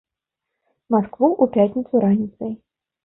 Маскву ў пятніцу раніцай.